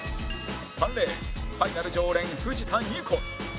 ３レーンファイナル常連藤田ニコル